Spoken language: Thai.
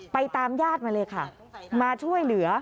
ตามญาติมาเลยค่ะมาช่วยเหลือ